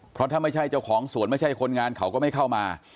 เพราะถ้าไม่ใช่เจ้าของสวนไม่ใช่คนงานเขาก็ไม่เข้ามา